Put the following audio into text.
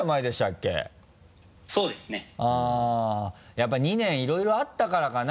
やっぱ２年いろいろあったからかな。